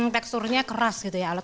teksturnya keras gitu ya